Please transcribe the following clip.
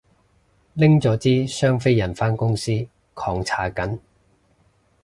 拎咗支雙飛人返公司狂搽緊